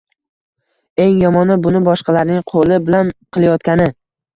Eng yomoni, buni boshqalarning qo`li bilan qilayotgani